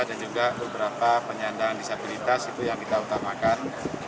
dan juga beberapa penyandang disabilitas itu yang kita utamakan